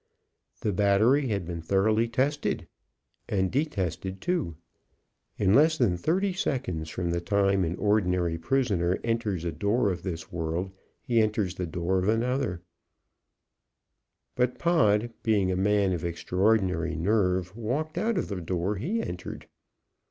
The battery had been thoroughly tested, and detested, too. In less than thirty seconds from the time an ordinary prisoner enters a door of this world he enters the door of another; but, Pod, being a man of extraordinary nerve, walked out the door he entered.